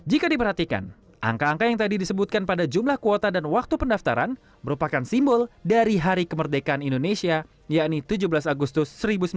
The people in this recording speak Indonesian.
jika diperhatikan angka angka yang tadi disebutkan pada jumlah kuota dan waktu pendaftaran merupakan simbol dari hari kemerdekaan indonesia yakni tujuh belas agustus seribu sembilan ratus empat puluh lima